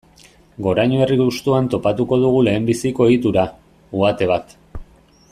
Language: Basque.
Goraño herri hustuan topatuko dugu lehenbiziko egitura, uhate bat.